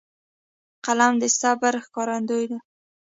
قلم د صبر ښکارندوی دی